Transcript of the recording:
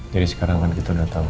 jadi sekarang kan kita udah tau